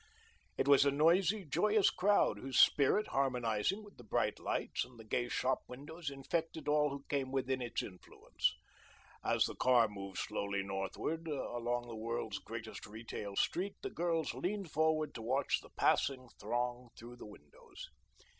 It was a noisy, joyous crowd whose spirit, harmonizing with the bright lights and the gay shop windows, infected all who came within its influence. As the car moved slowly northward along the world's greatest retail street the girls leaned forward to watch the passing throng through the windows.